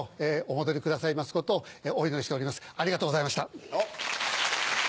お戻りくださいますことをお祈りしておりますありがとうございました。